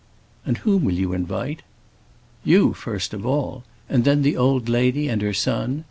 "And whom will you invite?" "You, first of all. And then the old lady and her son.